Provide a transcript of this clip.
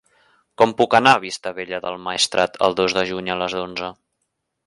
Com puc anar a Vistabella del Maestrat el dos de juny a les onze?